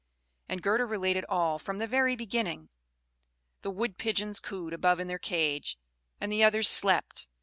And Gerda related all, from the very beginning: the Wood pigeons cooed above in their cage, and the others slept.